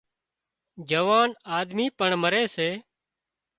جوان آۮمِي پڻ رمي سي